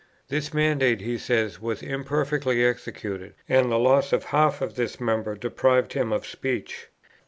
"This mandate," he says, "was imperfectly executed, and the loss of half this member deprived him of speech.